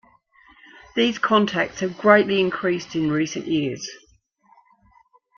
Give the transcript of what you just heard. These contacts have greatly increased in recent years.